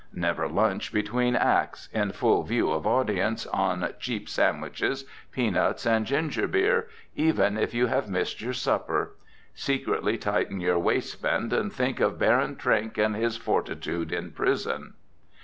Never lunch between acts, in full view of audience, on cheap sandwiches, peanuts and ginger beer, even if you have missed your supper. Secretly tighten your waist band, and think of Baron Trenck and his fortitude in prison.